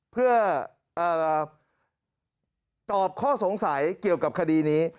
เพื่อตอบข้อสงสัยเกี่ยวกับคดีนี้